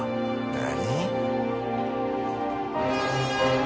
何？